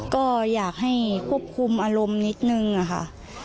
ก็อยากให้ควบคุมอารมณ์นิดนึงค่ะ